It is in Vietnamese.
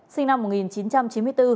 sinh năm một nghìn chín trăm chín mươi bốn